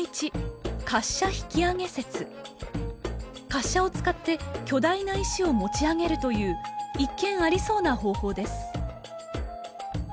滑車を使って巨大な石を持ち上げるという一見ありそうな方法です。